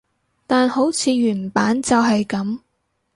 但好似原版就係噉